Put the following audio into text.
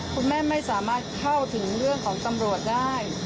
คุณแม่ไม่สามารถเข้าถึงเรื่องของตำรวจได้